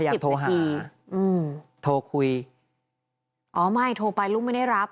อยากโทรหาอืมโทรคุยอ๋อไม่โทรไปลูกไม่ได้รับ